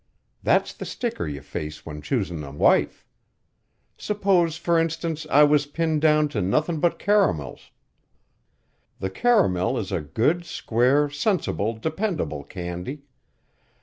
That's the sticker you face when choosin' a wife. S'pose, for instance, I was pinned down to nothin' but caramels. The caramel is a good, square, sensible, dependable candy.